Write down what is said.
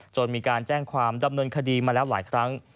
มีการแจ้งความดำเนินคดีมาแล้วหลายครั้ง